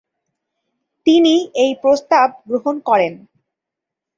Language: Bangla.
তিনি এই প্রস্তাব গ্রহণ করেন।